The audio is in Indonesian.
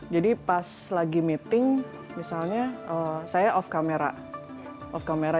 jadi pas lagi meeting misalnya saya off camera